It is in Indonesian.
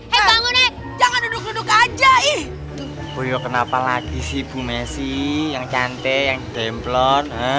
hai bangun jangan duduk duduk aja ih oh ya kenapa lagi sih bu messi yang cantik yang templon